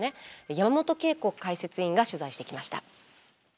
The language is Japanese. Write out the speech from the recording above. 山本恵子解説委員が取材してきました。